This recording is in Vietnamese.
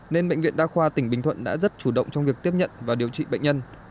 nên bệnh viện đa khoa tỉnh bình thuận đã rất chủ động trong việc tiếp nhận và điều trị bệnh nhân